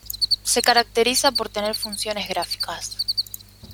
Se caracteriza por tener funciones gráficas.